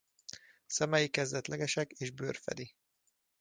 Szemei kezdetlegesek és bőr fedi.